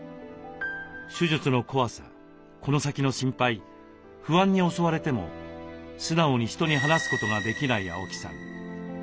手術の怖さこの先の心配不安に襲われても素直に人に話すことができない青木さん。